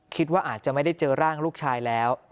คิดว่าอาจจะไม่ได้เจอร่างลูกชายแล้ว